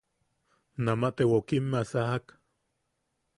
Nama te wokimmea sajak.